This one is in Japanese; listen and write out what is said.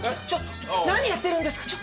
ちょっと何やってるんですか！